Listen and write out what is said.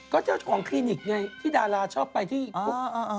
ก็เจ้าของคลินิกไงที่ดาราชอบไปที่พวก